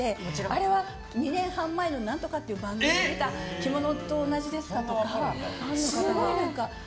あれは２年半前の何とかっていう番組で見た着物と同じですかとかファンの方が。